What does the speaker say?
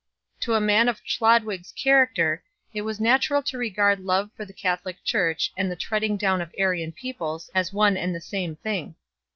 To a man of Chlod wig s character it was natural to regard love for the Catholic Church and the treading down of Arian peoples as one and the same thing.